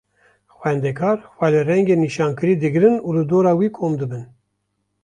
Xwendekar xwe li rengê nîşankirî digirin û li dora wî kom dibin.